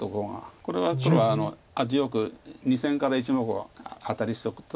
これは黒は味よく２線から１目をアタリしとくと。